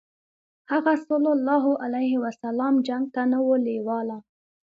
هغه ﷺ جنګ ته نه و لېواله.